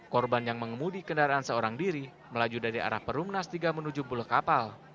korban yang mengemudi kendaraan seorang diri melaju dari arah perumnas tiga menuju bulo kapal